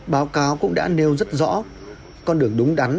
báo cáo cũng đã nêu rất rõ con đường đúng đắn